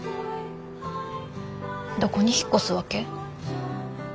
どこに引っ越すわけ？